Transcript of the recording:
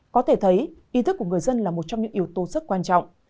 có thể thấy ý thức của người dân là một trong những yếu tố rất quan trọng